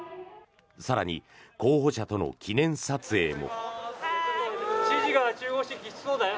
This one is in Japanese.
更に、候補者との記念撮影も。